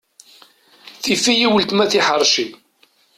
Tifɣ-iyi weltma tiḥerci.